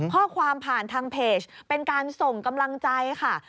ข้อความผ่านทางเพจเป็นการส่งกำลังใจค่ะ